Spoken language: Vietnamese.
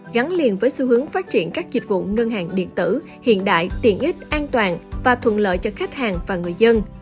gắn liền với xu hướng phát triển các dịch vụ ngân hàng điện tử hiện đại tiện ích an toàn và thuận lợi cho khách hàng và người dân